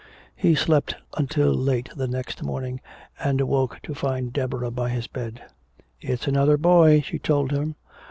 He slept until late the next morning, and awoke to find Deborah by his bed. "It's another boy," she told him.